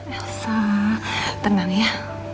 elsa tenang ya